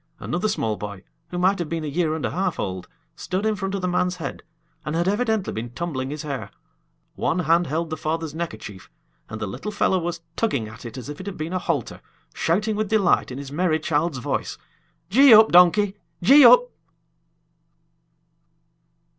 Another small boy, who might have been a year and a half old, stood in front of the man's head, and had evidently been tumbling his hair. One hand held the father's neckerchief, and the little fellow was tugging at it as if it had been a halter, shouting with delight in his merry child's voice: "Gee up, donkey! Gee up!"